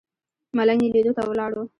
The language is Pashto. ملنګ یې لیدو ته ولاړ و.